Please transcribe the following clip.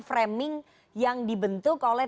framing yang dibentuk oleh